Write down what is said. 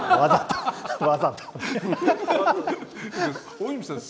大泉さん。